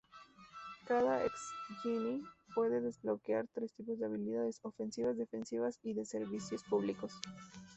Cada "X-Gene" puede desbloquear tres tipos de habilidades: "ofensivas", "defensivas" y de "servicios públicos".